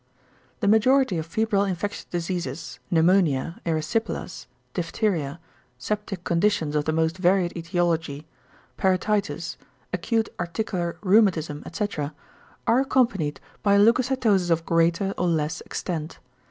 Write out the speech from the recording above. The majority of febrile infectious diseases, pneumonia, erysipelas, diphtheria, septic conditions of the most varied ætiology, parotitis, acute articular rheumatism, etc. are accompanied by a leucocytosis of greater or less extent.